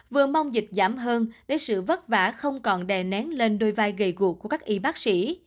vừa mong dịch giảm hơn để sự vất vả không còn đè nén lên đôi vai gầy gục của các y bác sĩ